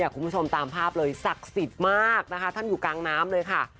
คุณผู้ชมตามภาพเลยศักดิ์สิทธิ์มากนะคะท่านอยู่กลางน้ำเลยค่ะ